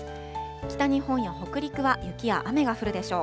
北日本や北陸は雪や雨が降るでしょう。